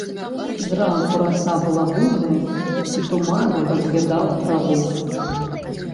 Зранку раса была буйная, і туманам раз'ядала траву.